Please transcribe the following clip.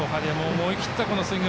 思い切ったスイング。